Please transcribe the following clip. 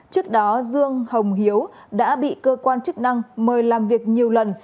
trước đó dương hồng hiếu đã bị cơ quan chức năng mời làm việc nhiều lần